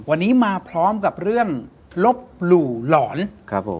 วันนี้มาพร้อมกับเรื่องลบหลู่หลอนครับผม